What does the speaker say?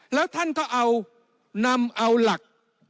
แล้วท่านก็เอานำเอาหลัก